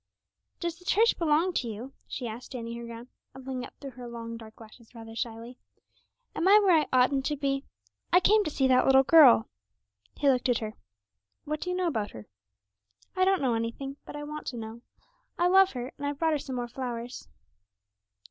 'Does the church belong to you?' she asked, standing her ground, and looking up through her long dark lashes rather shyly; 'am I where I oughtn't to be? I came to see that little girl.' He looked at her. 'What do you know about her?' 'I don't know anything, but I want to know. I love her, and I've brought her some more flowers.'